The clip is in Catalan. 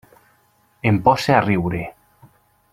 Em poso a riure.